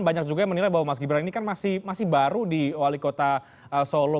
banyak juga yang menilai bahwa mas gibran ini kan masih baru di wali kota solo